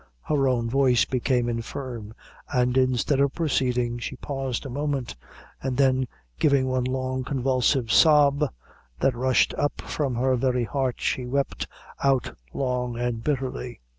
Her own voice became infirm, and, instead of proceeding, she paused a moment, and then giving one long, convulsive sob, that rushed up from her very heart, she wept out long and bitterly.